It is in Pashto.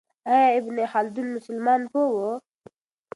آیا ابن خلدون مسلمان پوه و؟